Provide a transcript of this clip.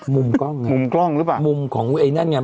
มุมกล้องมุมกล้องหรือเปล่ามุมของเองนั่นไงมันเป็นกล้อง